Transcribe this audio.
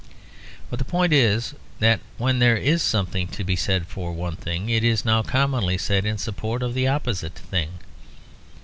But the point is that when there is something to be said for one thing, it is now commonly said in support of the opposite thing.